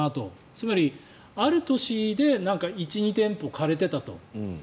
つまり、ある年で１２店舗枯れていたと。